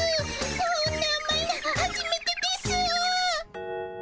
こんなあまいのはじめてですぅ。